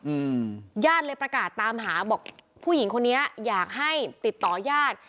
อืมญาติเลยประกาศตามหาบอกผู้หญิงคนนี้อยากให้ติดต่อญาติ